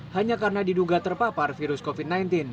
hanya karena diduga terpapar virus covid sembilan belas